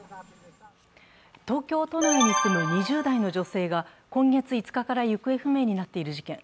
東京都内に住む２０代の女性が、今月５日から行方不明になっている事件。